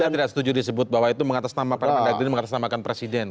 saya tidak setuju disebut bahwa itu mengatasnama permendagri mengatasnamakan presiden